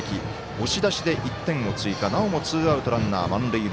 押し出しで１点を追加なおもツーアウト、ランナー満塁。